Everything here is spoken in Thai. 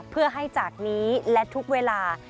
เพื่อให้จากนี้และทุกเวลา